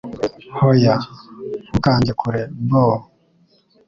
Hoya ntukanjye kure boo